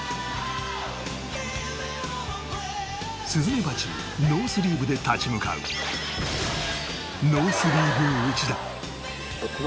スズメバチにノースリーブで立ち向かうノースリーブ内田